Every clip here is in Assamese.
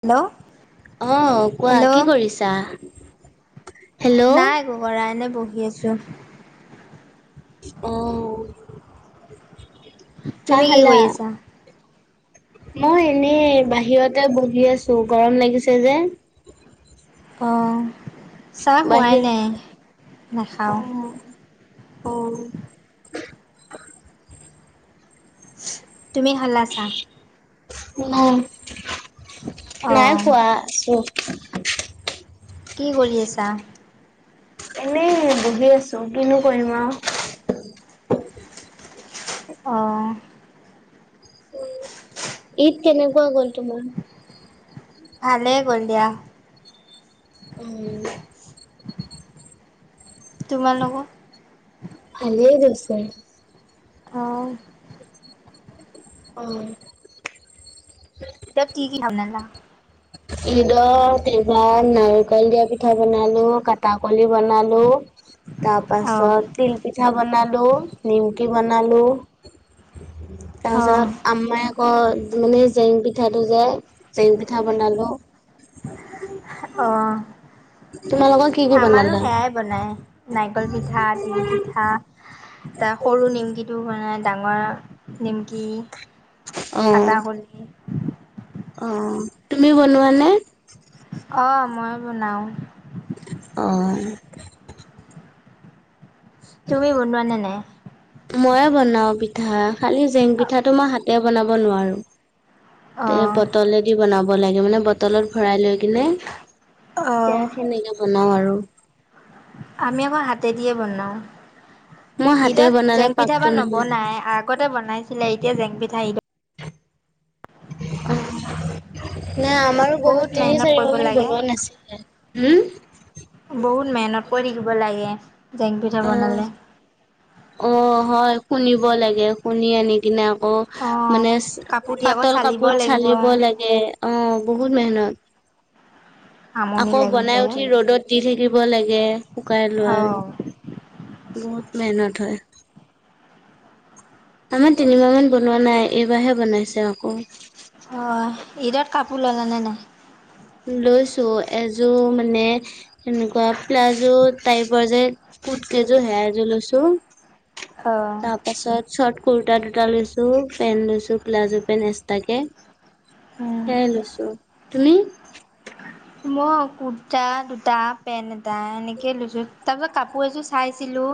হেল্ল' অ', কোৱা কি হেল্ল' কৰিছা। হেল্ল' নাই একো কৰা এনে বহি আছো। অ'। চাহ তুমি কি খালা? কৰি আছা। মই এনে বাহিৰতে বহি আছো গৰম লাগিছে যে। অ', চাহ খোৱাই বাহিৰ নাই, নাখাও। অ' অ'। তুমি খালা চা। ন নাই অঁ খোৱা আছো। কি কৰি আছা। এনেই বহি আছো কিনো কৰিম আৰু। অ'। ঈদ কেনেকুৱা গল তোমাৰ। ভালে গ'ল দিয়া। উম। তোমা লোকৰ। ভালএ গৈছে। অ'। অ'। [unintelligible] ঈদ এবাৰ নাৰিকল দিয়া পিঠা বনালো, কটাকলি বনালো তাৰ অঁ পাছত তিল পিঠা বনালো, নিমকি বনালো তাৰ অঁ পাছত আম্মাই আকৌ মানে জেং পিঠাটো যে জেং পিঠা বনালো। অ', তোমালোকৰ কি কি আমাৰো বনালা? সেয়াই বনাই নাৰিকল পিঠা, তিল পিঠা ত সৰু নিমকিটো বনাই ডাঙৰ নিমকি, কটাকলি অ', তুমি বনোৱানে। অ', মই বনাও। অ'। তুমি বনোৱা নে নাই। মই বনাও পিঠা খালি জেং পিঠাটো মই হাতে বনাব নোৱাৰো। অঁ বটলেদি বনাব লাগে, মানে বটলত ভৰাই লৈ কিনে অঁ সয়া সেনেকে বনাও আৰু আমি আকৌ হাতে দিয়ে বনাও। মই হাতে ঈদত বনালে জেং পিঠা পাকটো বা নাহে। নবনাই, আগতে বনাইছিলে। এতিয়া জেং পিঠা ঈদত [inaudible] নাই, আমাৰো বহুত তিনি মেহনত কৰিব চাৰমাহ মান লাগে বনোৱা নাছিলে। হু? বহুত মেহেনত কৰি থাকিব লাগে জেং পিঠা অ'। বনালে। অ' হয় শুনিব লাগে, শুনি আনি কিনে আকৌ অঁ মানে কাপোৰ দি আকৌ পাতল চালিব কাপোৰত লাগিব চালিব লাগে, অ' বহুত মেহনত। আমনি আকৌ লাগি বনাই যায় উঠি ৰ'দত দি থাকিব লাগে শুকাই লোৱা অঁ বহুত মেহনত হয়। আমাৰ তিনিমাহ মান বনোৱা নাই, এইবাৰহে বনাইছে আকৌ। অ', ঈদত কাপোৰ ল'লা নে নাই? লৈছোঁ এযোৰ মানে এনেকুৱা প্লাজো টাইপৰ যে কুট কেইযোৰ, সেয়া এযোৰ লৈছোঁ। অঁ তাৰপাছত ছৰ্ট কুৰ্তা দুটা লৈছোঁ, পেণ্ট লৈছোঁ প্লাজো পেণ্ট এক্সট্ৰাকে। সেইয়াই লৈছোঁ। তুমি? মই কুুৰ্তা দুটা, পেণ্ট এটা এনেকে লৈছোঁ, তাৰপিছত কাপোৰ এযোৰ চাইছিলোঁ।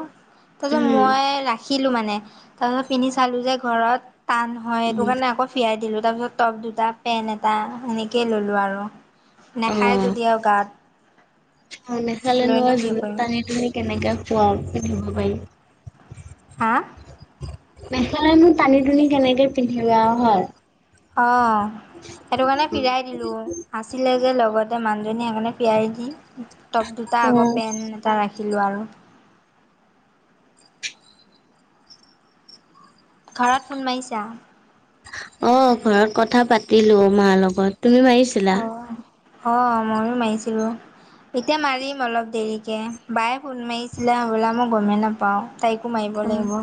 তাৰপিছত উম। মই ৰাখিলোঁ মানে তাৰপিছত পিন্ধি চালোঁ যে ঘৰত টান হয় উম, সেইটো কাৰণে আকৌ ফিৰাই দিলোঁ তাৰপিছত টপ দুটা, পেণ্ট এটা সেনেকেই ল'লোঁ আৰু। নাখায় যদি আৰু গাত। নেখালেনো লৈনো আৰু কি জোৰত কৰিম টানি তুমি কেনেকে খোৱাও, পিন্ধিব পাৰি। হা? নেখালেনো টানি টোনি কেনেকে পিন্ধিবা আৰু হয়। অ'। সেইটো কাৰণে ফিৰাই দিলোঁ, আছিলে যে লগতে মানুহজনী সেইকাৰণে ফিৰাই দি টপ দুটা আকৌ পেন্ট এটা ৰাখিলোঁ আৰু। ঘৰত ফোন মাৰিছা? অ' ঘৰত কথা পাতিলোঁ মাৰ লগত, তুমি মাৰিছ অ', অ' ময়ো মাৰিছিলোঁ অ'। এতিয়া মাৰিম অলপ দেৰিকে বায়ে ফোন মাৰিছিলে হ'বলা মই গমেই নাপাওঁ। তাইকো মাৰিব লাগিব।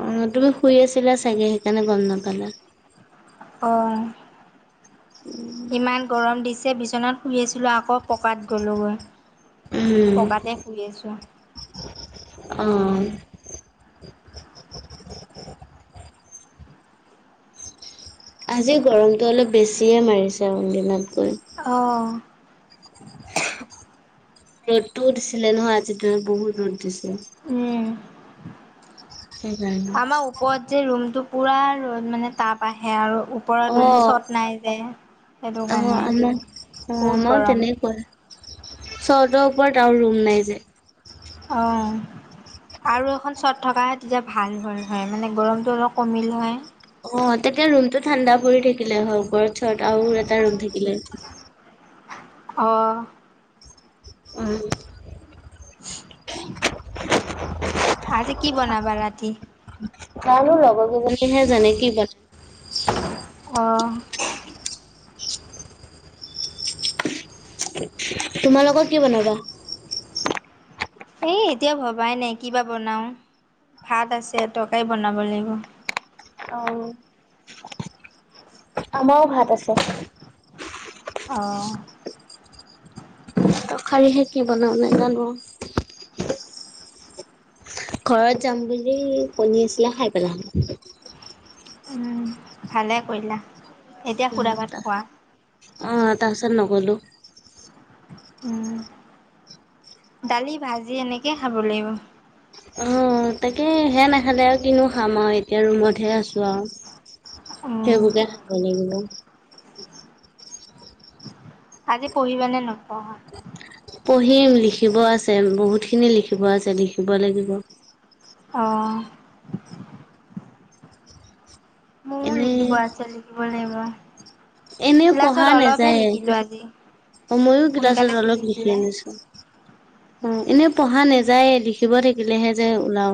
অ' তুমি শুই আছিলা চাগে সেইকাৰণে গম নাপালা। অ', ইমান গৰম দিছে, বিচনাত শুই আছিলোঁ আকৌ পকাত গ'লোঁগৈ। উম, অ'। আজি গৰমটো অলপ বেছিয়ে মাৰিছে আন দিনাতকৈ। অ'। ৰ'দটো দিছিলে নহয় আজি দিনত বহুত ৰ'দ দিছে। উম, সেইকাৰণে। আমাৰ ওপৰত যে ৰুমটো পুৰা ৰ'দ মানে তাপ আহে আৰু ওপৰত মানে অ', চট নাই যে সেইটো অ', কাৰণে আমাৰ বহুত গৰম। চৰ্টৰ ওপৰত আৰু ৰুম নাই যে। অ'। আৰু এখন চট থকাহে তেতিয়া ভাল হ'ল হয় মানে গৰমটো অলপ কমিল হয়। অ' তেতিয়া ৰুমটো ঠাণ্ডা পৰি থাকিলে হয়, ওপৰত চট আৰু এটা ৰুম থাকিলে। অ'। উম। আজি কি বনাবা ৰাতি? জানো লগৰ কেইজনীয়েহে জানে কি বনাই। অ'। তোমালোকৰ কি বনাবা? এই এতিয়া ভবাই নাই কি বা বনাও, ভাত আছে তৰকাৰি বনাব লাগিব। অ'। আমাৰো ভাত আছে। অ'। তৰকাৰীহে কি বনাও নাজানো। ঘৰত যাম বুলি, কণী আছিলে খাই পেলালো। উম, ভালে কৰিলা। [unintelligible] এতিয়া সুদা ভাত খোৱা। অ', তাৰ পিছত নগ'লো। উম, দালি ভাজি এনেকেই খাব লাগিব। অ', তাকে সেয়া নাখালে আৰু কিনো খাম আৰু এতিয়া ৰুমতহে আছো আৰু। উম, সেইবোৰকে খাব লাগিব। আজি পঢ়িবা নে নপঢ়া? পঢ়িম লিখিব আছে বহুতখিনি লিখিব আছে লিখিব লাগিব। অ'। মোৰো এনে লিখিব আছে লিখিব লাগিব। এনে পঢ়া ক্লাছত অলপহে নাযায়, লিখিলো আজি। অ', মইও ক্লাছত সোনকালে অলপ ছুটি লিখি দিলে। আনিছো। অ', এনেই পঢ়া নেযায়, লিখিব থাকিলেহে যে ওলাও।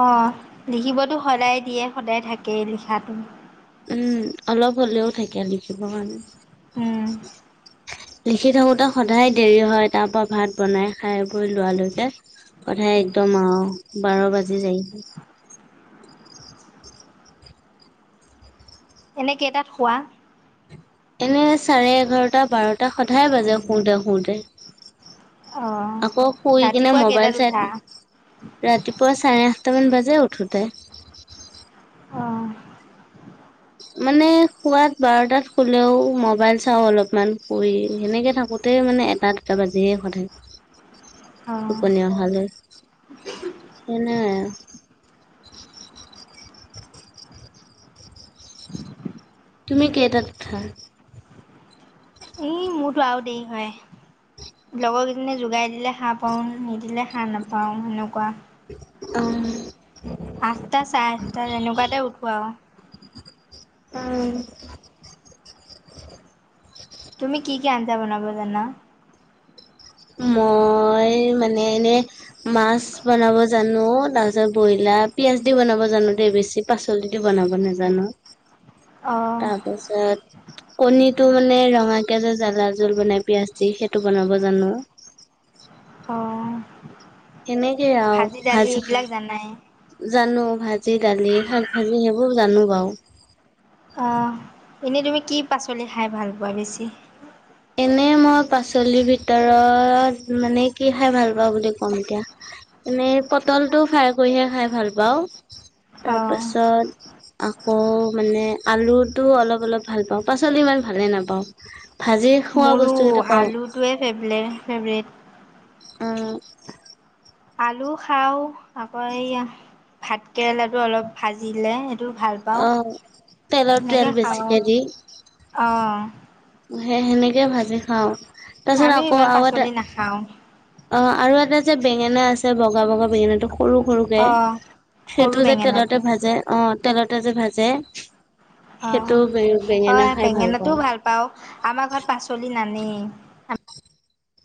অ', লিখিবতো সদায় দিয়ে, সদায় থাকেই লিখাটো। উম, অলপ হ'লেও থাকে লিখিব কাৰনে। উম। লিখি থাকোতে সদায় দেৰি হয়, তাৰ পৰা ভাত বনাই খাই বৈ লোৱালৈকে। সদাই একদম আৰু বাৰ বাজি যাই। এনে কেইটাত শুৱা? এনে চাৰে এঘাৰটা বাৰটা সদায় বাজে শুওঁতে শুওঁতে। অ' আকৌ শুই কিনে ৰাতিপুৱা মোবাইল কেইটাত চাই উঠা? ৰাতিপুৱা চাৰে আঠটামান বাজে উঠোতে। অ'। মানে সোৱাত বাৰটাত শুলেও মবাইল চাও অলপমান শুই সেনেকে থাকো তেই মানে এটা দুটা বাজিয়ে সদাই। [inaudible] টোপনী অহালৈ [unintelligible] তুমি কেইটাত উঠা? এই মোৰতো আৰু দেৰি হয়। লগৰকেইজনীয়ে জগাই দিলে সাৰ পাওঁ, নিদিলে সাৰ নাপাওঁ সেনেকুৱা। অ'। আঠটা চাৰে আঠটা তেনেকুৱাতে উঠো আৰু। অ'। তুমি কি কি আঞ্জা বনাব জানা? মই মানে এনে মাছ বনাব জানো, তাৰ পিছত ব্ৰইলাৰ পিয়াজ দি বনাব জানো দেই বেছি। পাচলিটো বনাব নাজানো। অ' তাপাছত কণীটো মানে ৰঙাকে যে জ্বালা জোল বনাই পিয়াজ দি সেইটো বনাব জানো। অ', সেনেকেই আৰু দালি ভাজি এইবিলাক জানাই। জানো ভাজি, দালি, শাক ভাজি সেইবোৰ জানো বাৰু। অ'এনেই তুমি কি পাচলি খাই ভাল পোৱা বেছি? এনে মই পাচলিৰ ভিতৰত মানে কি খাই পাওঁ বুলি ক'ম এতিয়া এনেই পটলটো ফ্ৰাই কৰিহে খাই ভাল পাওঁ অ' তাৰপাছত আকৌ মানে আলুটো অলপ, অলপ ভাল পাওঁ পাচলি ইমান ভালে নাপাওঁ। ভাজি খোৱা বচ অ'আলুটোৱে ফেভলে ফেভৰেট। উম, আলু খাওঁ আকৌ এইয়া ভাতকেৰেলাটো অলপ ভাজিলে সেইটো ভাল পাওঁ অ'। তেলত তেল তেনেকে খাওঁ বেছিকে আৰু দি অ। সেই সেনেকে ভাজি খাও তাৰ পিছত আকৌ আৰু এটা খাওঁ। অ' আৰু এটা যে বেঙেনা আছে বগা, বগা বেঙেনাটো সৰু, সৰুকে, অ', সৰু সেইটো যে তেলতে বেঙেনাটো ভাজে অ। তেলতে যে ভাজে, অ', সেইটো বে বেঙেনা অ', খাই ভাল বেঙেনাটোও পাওঁ। পাওঁ আমাৰ ঘৰত পাচলি নানেই।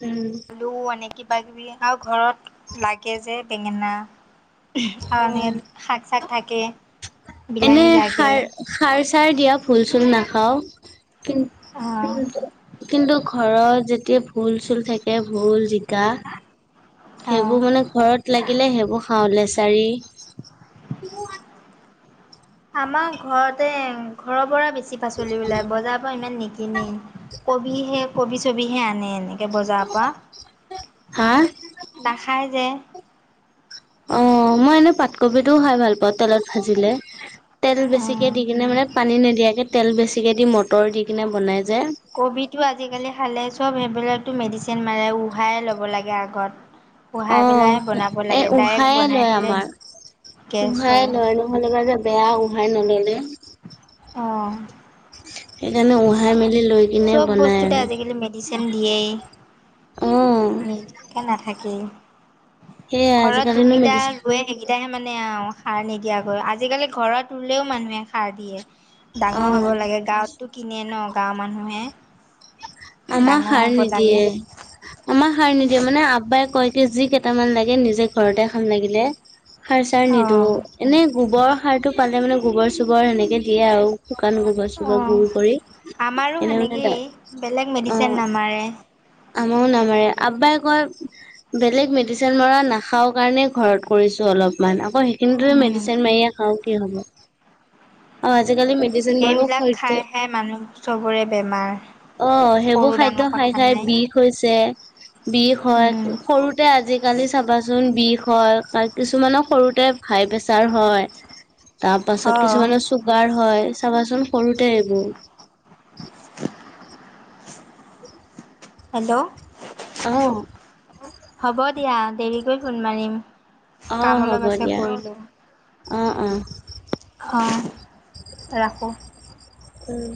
উম, আলু আনে কিবাকিবি আৰু ঘৰত লাগে যে বেঙেনা। অ [unintelligible] শাক-চাক থাকে। এনে বিলাহী লাগে সাৰ, সাৰ-চাৰ দিয়া ভুল-চুল নাখাও। অ', [unintelligible] কিন্তু ঘৰত যেতিয়া ভুল-চুল থাকে ভুল, জিকা অ', সেইবোৰ মানে ঘৰত লাগিলে সেইবোৰ খাও লেচাৰি আমাৰ ঘৰতে ঘৰৰ পৰা বেছি পাচলি ওলায় বজাৰৰ পা ইমান নিকিনেই। কবিহে কবি ছবিহে আনে এনেকে বজাৰ পৰা। হা নাখাই যে অ' মই এনেই পাতকবিটোও খাই ভাল পাওঁ তেলত ভাজিলে তেল বেছিকে অ'। দি কিনে মানে পানী নিদিয়াকে তেল বেছিকে দি মটৰ দি কিনে বনাই যে। কবিটো আজিকালি খালে চব সেইবিলাকতো মেডিচিন মাৰে উহাই ল'ব লাগে আগত। উহাই পেলাই বনাব অ'এ, লাগে ডাইৰেক্ট উহায়ে বনাই লয় দিলে আমাৰ, গেছ উহায়ে হয় লয় ন'। খালে মানে বেয়া উহাই নল'লে। অ', সেইকাৰণে উহাই মেলি লৈ কিনে চব বনাই বস্তুতে আৰু। আজিকালি [unintelligible] দিয়েই অ নিদিয়াকে নাথাকেই। সেয়াই ঘৰত আজিকালিনো যোনকেইটা মেডিচিন ৰোৱে সেইকেইট তেহে মানে আৰু সাৰ নিদিয়াকৈ আজিকালি ঘৰত ৰুলেও মানুহে সাৰ দিয়ে। অ ডাঙৰ হ'ব লাগে গাঁৱততো কিনে ন' গাঁৱৰ মানুহে। আমাৰ ডাঙৰ সাৰ হ'ব লাগে নিদিয়ে। আমাৰ সাৰ নিদিয়ে মানে আব্বাই কয় কি যি কেইটামান লাগে নিজে ঘৰতে খাম লাগিলে। সাৰ-চাৰ অ নিদো এনে গোবৰ সাৰ টো পালে মানে গোবৰ-চোবৰ সেনেকে দিয়ে আৰু শুকান গো অ গোবৰ-চোবৰ গুৰ কৰি, আমাৰো এনে মানে সেনেকেই তা বেলেগ মেডিচিন নামাৰে। আমাৰো নামাৰে। আব্বাই কয় বেলেগ মেডিচিন মৰা নাখাও কাৰণে ঘৰত কৰিছো অলপ।। অকমান, আকৌ সেইখিনি যদি উম মেডিচিন মাৰিয়ে খাওঁ কি হ'ব। অ, আজিকালি মে সেইবিলাক খাই, খাই মানুহ চবৰে বেমাৰ। অ, সেইবোৰ সৰু খাদ্য ডাঙৰ খাই, কথা খাই নাই বিষ হৈছে, বিষ হয়, উম সৰুতে আজিকালি চাবাচোন বিষ হয়। কা কিছুমানৰ সৰুতে হাই প্ৰেচাৰ হয়, তাৰ অ পাছত কিছুমানৰ চুগাৰ হয়, চাবাচোন সৰুতে এইবোৰ। [inaudible] হেল্ল', অ হ'ব দিয়া দেৰিকৈ ফোন মাৰিম। অ, কাম অলপ হ'ব আছে দিয়া। কৰিলোঁ অ, অ। অঁ, ৰাখোঁ। উম।